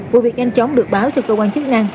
vụ việc nhanh chóng được báo cho cơ quan chức năng